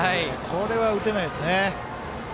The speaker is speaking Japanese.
これは打てないですね。